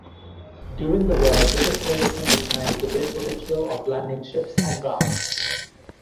During the War British servicemen recognised the great potential of landing ships and craft.